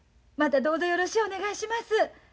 またどうぞよろしゅうお願いします。